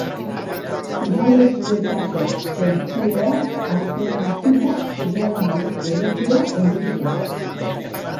Finalerdietako tentsioak atzean utzita, final handiko momentua heldu zen.